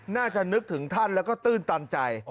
นึกถึงท่านแล้วก็ตื้นตันใจ